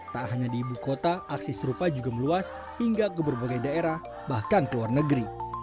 tak hanya di ibu kota aksi serupa juga meluas hingga ke berbagai daerah bahkan ke luar negeri